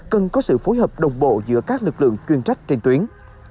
cần có sự phối hợp đồng bộ giữa các lực lượng chuyên trách trên tuyến